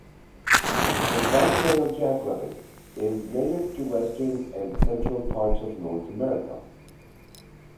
The white-tailed jackrabbit is native to western and central parts of North America.